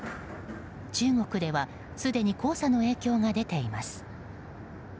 中国ではすでに黄砂の影響が出ています。